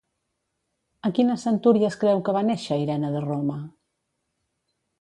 A quina centúria es creu que va néixer Irene de Roma?